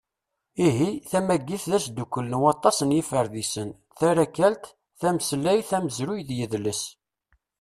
Ihi, tamagit d asddukel n waṭas n yiferdisen: tarakalt, tameslayt, amezruy d yedles.